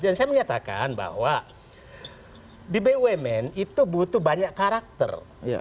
dan saya menyatakan bahwa di bumn itu butuh banyak karakter